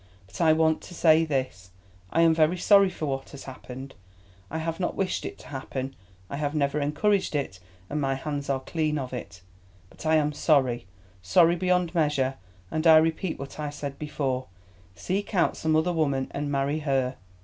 But I want to say this: I am very sorry for what has happened. I have not wished it to happen. I have never encouraged it, and my hands are clean of it. But I am sorry, sorry beyond measure, and I repeat what I said before—seek out some other woman and marry her."